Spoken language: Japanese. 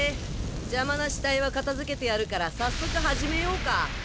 邪魔な死体は片づけてやるから早速始めようか。